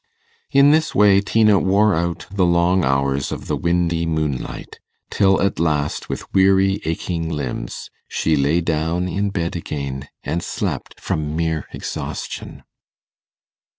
In this way Tina wore out the long hours of the windy moonlight, till at last, with weary aching limbs, she lay down in bed again, and slept from mere exhaustion.